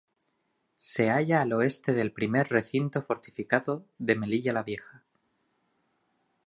Se halla al oeste del Primer Recinto Fortificado de Melilla la Vieja.